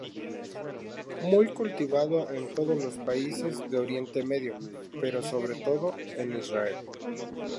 Muy cultivado en todos los países de Oriente Medio, pero sobre todo en Israel.